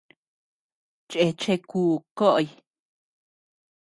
Cheche ku koʼoy.